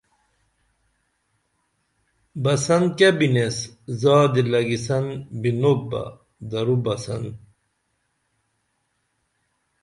بسن کیہ بنس زادی لگی سن بینوپ بہ درو بسن